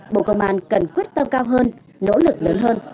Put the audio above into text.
bộ công an cần quyết tâm cao hơn nỗ lực lớn hơn